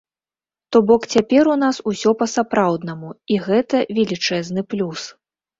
То бок цяпер у нас усё па-сапраўднаму і гэта велічэзны плюс.